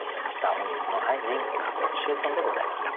本日の俳人加藤楸邨でございました。